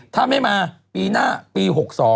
ถ้าไม่มาปีหน้าปี๖๒